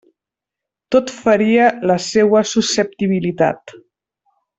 Tot feria la seua susceptibilitat.